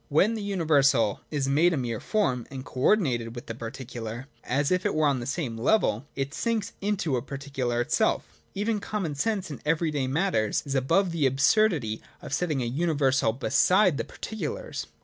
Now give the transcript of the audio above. When the universal is made a mere form and co ordinated with the particular, as if it were on the same level, it sinks into a particular itself. Even common sense in every day matters is above the absurdity of setting a universal beside the particulars.